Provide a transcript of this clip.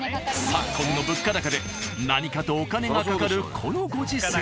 昨今の物価高で何かとお金がかかるこのご時世。